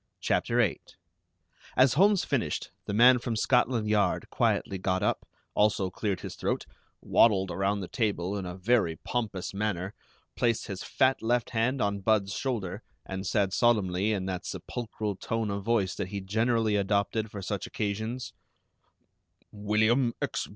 CHAPTER VIII As Holmes finished, the man from Scotland Yard quietly got up, also cleared his throat, waddled around the table in a very pompous manner, placed his fat left hand on Budd's shoulder, and said solemnly, in that sepulchral tone of voice that he generally adopted for such occasions: "William X.